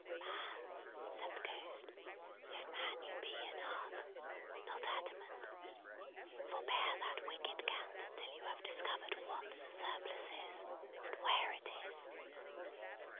"Man," said the Ghost, "if man you be in heart, not adamant, forbear that wicked cant until you have discovered What the surplus is, and Where it is.